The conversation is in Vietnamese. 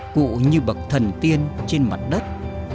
cụ như bậc thần tiên trên mặt đất